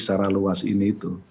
secara luas ini